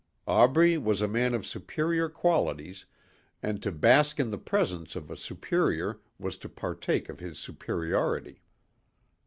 Aubrey was a man of superior qualities and to bask in the presence of a superior was to partake of his superiority.